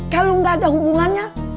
kalau gak ada hubungannya